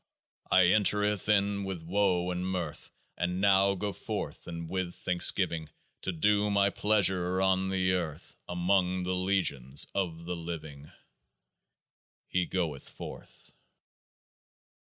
I entered in with woe ; with mirth I now go forth, and with thanksgiving, To do my pleasure on the earth Among the legions of the living. He goeth forth.